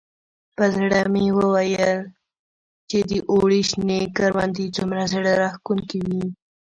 په زړه مې ویل چې د اوړي شنې کروندې څومره زړه راښکونکي وي.